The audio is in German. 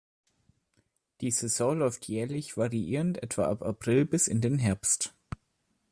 Die Saison läuft jährlich variierend etwa ab April bis in den Herbst.